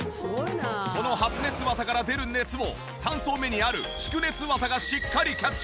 この発熱綿から出る熱を３層目にある蓄熱綿がしっかりキャッチ。